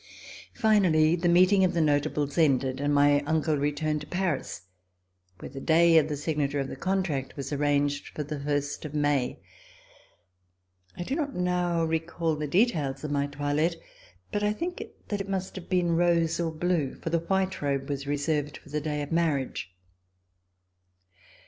Finally the meeting of the Notables ended, and my uncle returned to Paris, where the day of the signa ture of the contract was arranged for the first of May. I do not now recall the details of my toilette, but I think that it must have been rose or blue, for the white robe was reserved for the day of marriage.